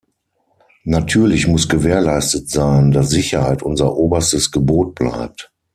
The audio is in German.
Natürlich muss gewährleistet sein, dass Sicherheit unser oberstes Gebot bleibt.